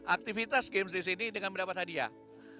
aktivitas games di sini dengan mendapat hadiah